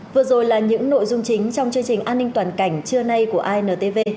vừa rồi là những nội dung chính trong chương trình an ninh toàn cảnh trưa nay của intv